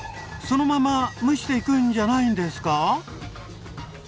そのまま蒸していくんじゃないんですか？